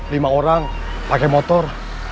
lima orang pakai motor